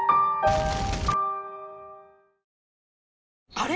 あれ？